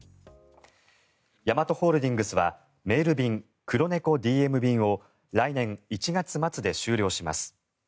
ヤマトホールディングスはメール便、クロネコＤＭ便を来年１月末で終了します。